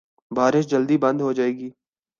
بارش جلدی بند ہو جائے گی۔